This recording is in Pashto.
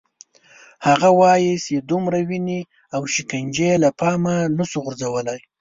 هغه وايي چې دومره وینې او شکنجې له پامه نه شو غورځولای.